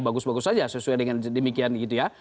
bagus bagus saja sesuai dengan demikian gitu ya